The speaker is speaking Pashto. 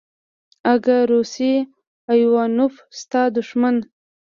اگه روسی ايوانوف ستا دښمن.